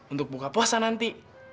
untuk buka puasa nanti